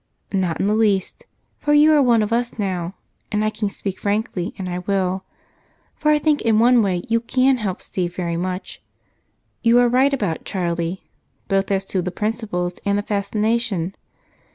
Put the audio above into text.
"Not in the least, for you are one of us now, and I can speak frankly and I will, for I think in one way you can help Steve very much. You are right about Charlie, both as to the principles and the fascination.